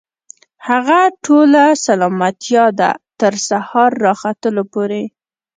هغه ټوله سلامتيا ده، تر سهار راختلو پوري